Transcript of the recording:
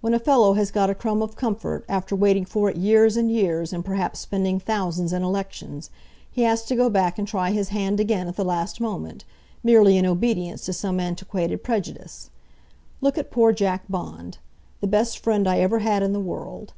When a fellow has got a crumb of comfort, after waiting for it years and years, and perhaps spending thousands in elections, he has to go back and try his hand again at the last moment, merely in obedience to some antiquated prejudice. Look at poor Jack Bond, the best friend I ever had in the world.